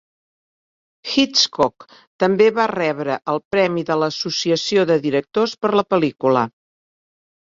Hitchcock també va rebre el premi de l'Associació de Directors per la pel·lícula.